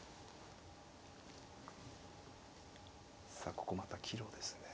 さあここまた岐路ですね。